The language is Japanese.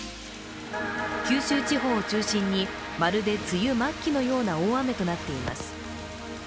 九州地方を中心にまるで梅雨末期のような大雨となっています。